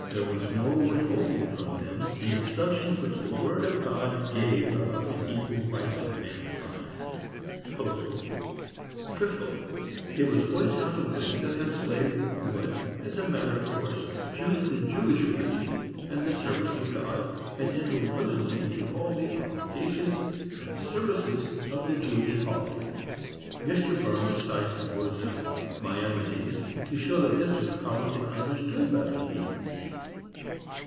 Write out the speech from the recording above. There was no withholding from them the instruction which the word of God gave about the equal rights of mankind." Fifthly. It was always contemplated that the slave would, as a matter of course, choose the Jewish religion, and the service of God, and enter willingly into all the obligations and services of the Jewish polity. Mr. Barnes cites the words of Maimonides, to show how this was commonly understood by the Hebrews.